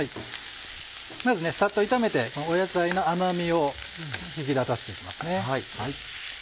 まずサッと炒めて野菜の甘みを引き立たせて行きますね。